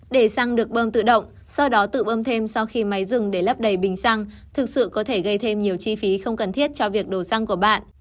để xăng được bơm tự động sau đó tự bơm thêm sau khi máy rừng để lấp đầy bình xăng thực sự có thể gây thêm nhiều chi phí không cần thiết cho việc đồ xăng của bạn